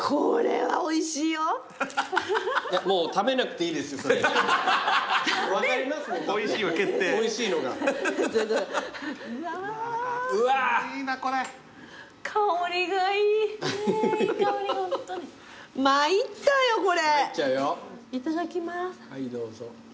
はいどうぞ。